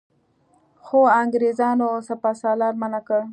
خو انګرېزانو سپه سالار منع کړ.